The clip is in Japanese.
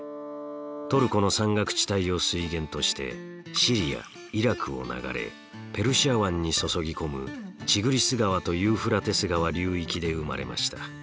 トルコの山岳地帯を水源としてシリアイラクを流れペルシャ湾に注ぎ込むティグリス川とユーフラテス川流域で生まれました。